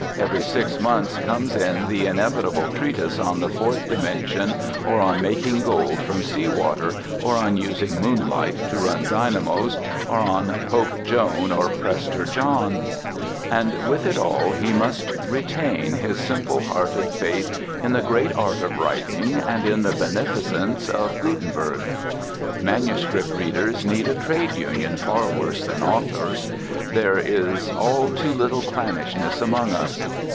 Every six months comes in the inevitable treatise on the fourth dimension or on making gold from sea water, or on using moonlight to run dynamos, or on Pope Joan or Prester John. And with it all he must retain his simple hearted faith in the great art of writing and in the beneficence of Gutenberg. Manuscript readers need a trade union far worse than authors. There is all too little clannishness among us.